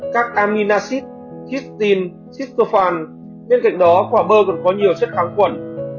các aminacit cysteine cysteophane bên cạnh đó quả bơ còn có nhiều chất kháng quần